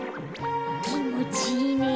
きもちいいね。